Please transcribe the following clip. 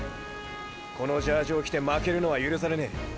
このジャージを着て負けるのは許されねェ。